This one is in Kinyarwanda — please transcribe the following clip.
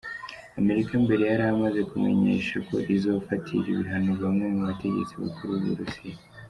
Amerika mbere yaramaze kumenyesha ko izofatira ibihano bamwe mu bategetsi bakuru b'Uburusiya.